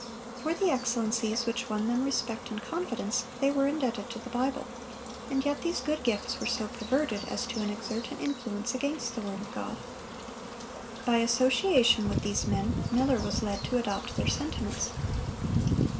For the excellencies which won them respect and confidence they were indebted to the Bible; and yet these good gifts were so perverted as to exert an influence against the word of God. By association with these men, Miller was led to adopt their sentiments.